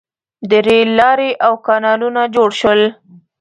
• د رېل لارې او کانالونه جوړ شول.